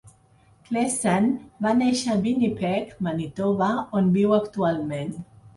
Klessen va néixer a Winnipeg (Manitoba), on viu actualment.